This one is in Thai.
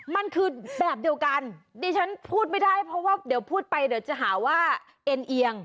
มันคือแบบเดียวกันดิฉันพูดไม่ได้เพราะว่าเดี๋ยวพูดไปเดี๋ยวจะหาว่าเอ็นเอียง